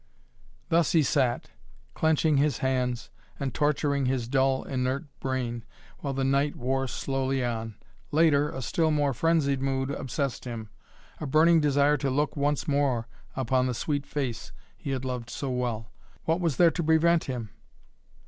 Thus he sat, clenching his hands and torturing his dull inert brain while the night wore slowly on. Later a still more frenzied mood obsessed him, a burning desire to look once more upon the sweet face he had loved so well. What was there to prevent him?